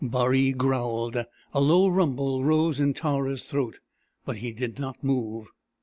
Baree growled. A low rumble rose in Tara's throat, but he did not move.